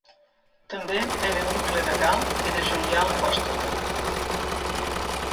També era oncle de Gal i de Julià l'Apòstata.